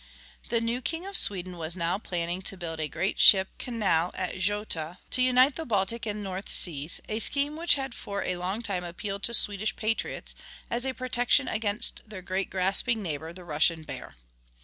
The new King of Sweden was now planning to build a great ship canal at Göta to unite the Baltic and the North Seas, a scheme which had for a long time appealed to Swedish patriots as a protection against their great grasping neighbor, the Russian Bear.